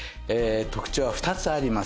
特長は２つあります。